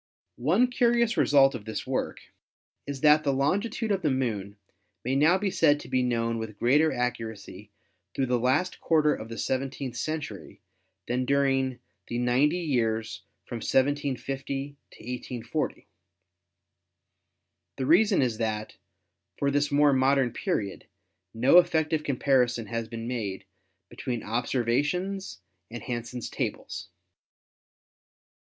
"One curious result of this work is that the longitude of the Moon may now be said to be known with greater accuracy through the last quarter of the seventeenth cen tury than during the ninety years from 1750 to 1840. The reason is that, for this more modern period, no effective comparison has been made between observations and Han sen's tables."